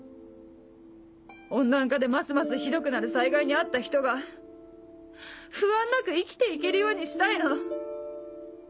温暖化でますますひどくなる災害に遭った人が不安なく生きて行けるようにしたいの。